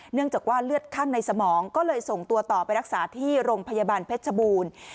เนื่องจากว่าเลือดข้างในสมองก็เลยส่งตัวต่อไปรักษาที่โรงพยาบาลเพชรชบูรณ์